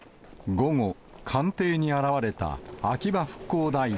午後、官邸に現れた秋葉復興大臣。